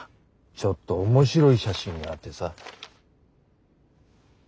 ちょっと面白い写真があってさ。